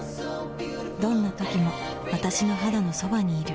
どんな時も私の肌のそばにいる